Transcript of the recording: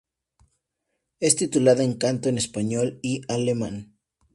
Es titulada en canto en español y alemán.